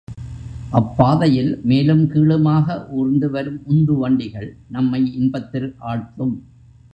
அப் பாதையில் மேலும் கீழுமாக ஊர்ந்து வரும் உந்து வண்டிகள் நம்மை இன்பத்தில் ஆழ்த்தும்.